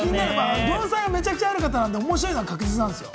文才がめちゃくちゃある方なんで面白いのは間違いないんですよ。